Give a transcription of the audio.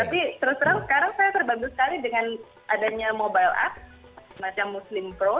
tapi terus terang sekarang saya terbantu sekali dengan adanya mobile app macam muslim pro